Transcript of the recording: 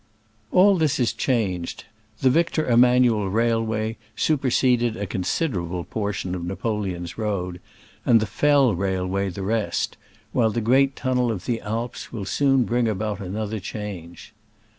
All this is changed. The Victor Em manuel railway superseded a consider able portion of Napoleon's road, and the "Fell" railway the rest, while the great tunnel of the Alps will soon bring about another change.